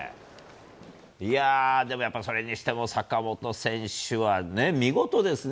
でも、それにしても坂本選手は見事ですね。